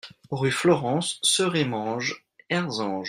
Rue Florence, Serémange-Erzange